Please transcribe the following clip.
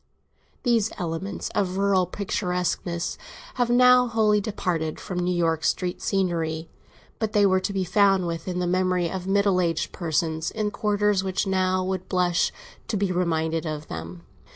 These elements of rural picturesqueness have now wholly departed from New York street scenery; but they were to be found within the memory of middle aged persons, in quarters which now would blush to be reminded of them.